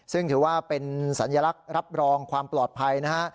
ซึ่งถือว่าเป็นสัญลักษณ์รับรองความปลอดภัยนะฮะ